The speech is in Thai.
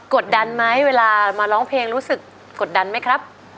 ดดันไหมเวลามาร้องเพลงรู้สึกกดดันไหมครับ